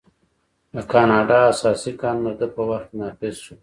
د کاناډا اساسي قانون د ده په وخت کې نافذ شو.